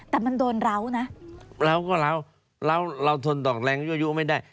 แต่มันโดนเรานะเราก็เราเราทนต่อแรงอยู่ไม่ได้